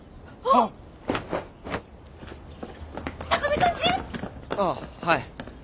あっはい。